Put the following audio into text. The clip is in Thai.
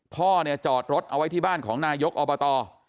พ่อเนี่ยจอดรถเอาไว้ที่บ้านของนายกอบต